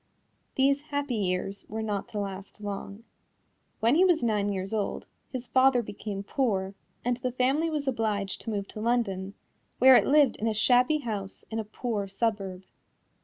These happy years were not to last long. When he was nine years old, his father became poor and the family was obliged to move to London, where it lived in a shabby house in a poor suburb.